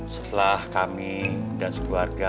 setelah kami dan sekeluarga